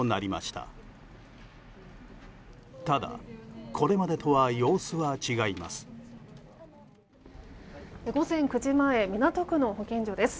ただ、これまでとは様子は違います。